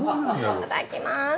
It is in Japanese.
いただきます。